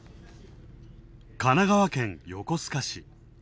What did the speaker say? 神奈川県・横須賀市。